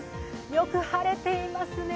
よく晴れていますね。